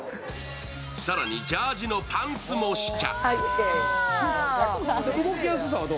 更にジャージーのパンツも試着。